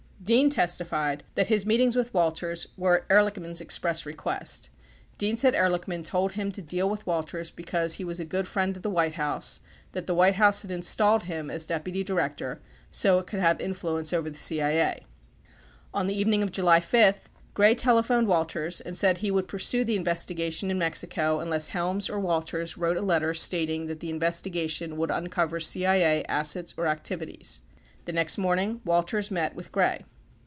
41 Dean testified that his meetings with Walters were at Ehrlichman's express request. Dean said Ehrlichman told him to deal with Walters because he was a good friend of the "White House, that the White House had installed him as Deputy Director so it could have influence over the CIA. 42 On the evening of July 5, Gray telephoned Walters and said he would pursue the investigation in Mexico unless Helms or Walters wrote a letter stating that the investigation would uncover CIA as sets or activities. 43 The next morning, Walters met with Gray.